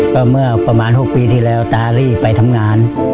ก็เมื่อประมาณ๖ปีที่แล้วตาลีไปทำงาน